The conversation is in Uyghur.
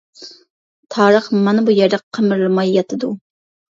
تارىخ مانا بۇ يەردە قىمىرلىماي ياتىدۇ.